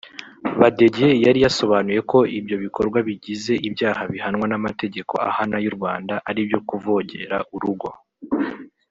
Badege yari yasobanuye ko ibyo bikorwa bigize ibyaha bihanwa n’amategeko ahana y’u Rwanda aribyo kuvogera urugo